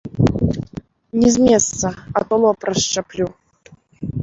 Ні з месца, а то лоб расшчаплю!